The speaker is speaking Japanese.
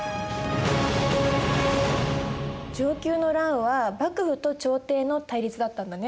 承久の乱は幕府と朝廷の対立だったんだね。